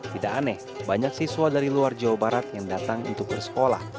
tidak aneh banyak siswa dari luar jawa barat yang datang untuk bersekolah